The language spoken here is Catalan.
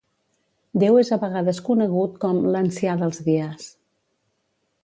Déu és a vegades conegut com l"Ancià dels Dies.